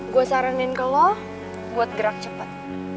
gue saranin ke lo buat gerak cepat